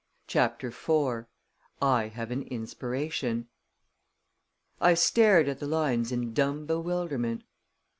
CHAPTER IV I Have an Inspiration I stared at the lines in dumb bewilderment.